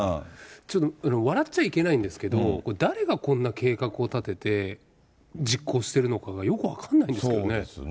ちょっと笑っちゃいけないんですけど、誰がこんな計画を立てて、実行してるのかがよく分からないんですけどね。